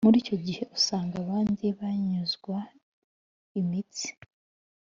Muri icyo gihe usanga abandi banyunyuzwa imitsi,